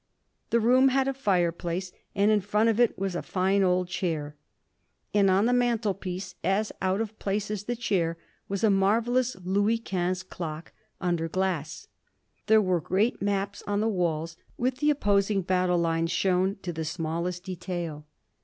The room had a fireplace, and in front of it was a fine old chair. And on the mantelpiece, as out of place as the chair, was a marvellous Louis Quinze clock, under glass. There were great maps on the walls, with the opposing battle lines shown to the smallest detail.